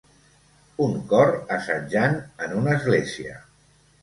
Un cor assajant en una església.